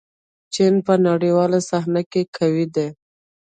چین په نړیواله صحنه کې قوي دی.